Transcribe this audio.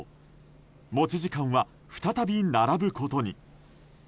持ち時間は再び並ぶことに。